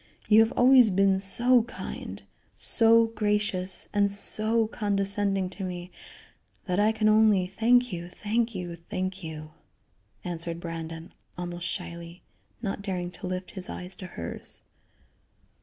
You have always been so kind, so gracious and so condescending to me that I can only thank you, thank you, thank you," answered Brandon, almost shyly; not daring to lift his eyes to hers.